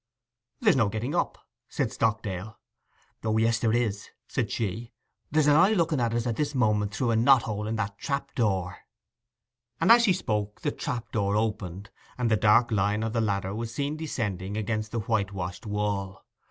'There's no getting up,' said Stockdale. 'O yes, there is,' said she. 'There's an eye looking at us at this moment through a knot hole in that trap door.' And as she spoke the trap opened, and the dark line of the ladder was seen descending against the white washed wall.